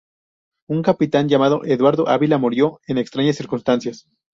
Un capitán llamado Eduardo Ávila murió en extrañas circunstancias.